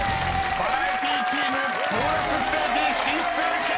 ［バラエティチームボーナスステージ進出決定でーす！］